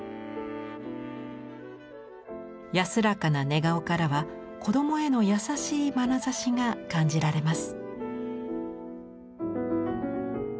安らかな寝顔からは子供への優しいまなざしが感じられます。